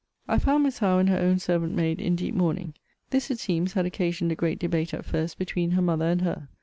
I found Miss Howe and her own servant maid in deep mourning. This, it seems, had occasioned a great debate at first between her mother and her.